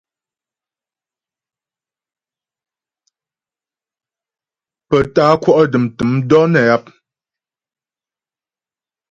Pə tá'a kwɔ' dəm tə̂m dɔ̌ nə́ yap.